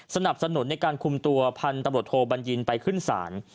สนับสนุนในการคุมตัวพันธุ์ตำรวจโทบัญญินไปขึ้นศาล